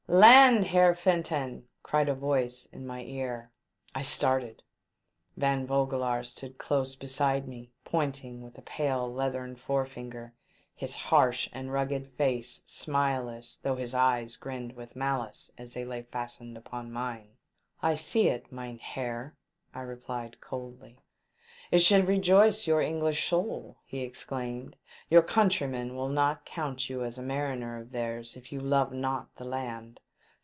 " Land, Heer Fenton !" cried a voice in my ear. I started. Van Vogelaar stood close be side me, pointing with a pale leathern fore finger, his harsh and rugged face smileless, though his eyes grinned with malice as they lay fastened upon mine. "I see it, mynheer," I replied, coldly. "It should rejoice your English soul," he exclaimed. "Your countrymen will not count you as a mariner of theirs if you love not the land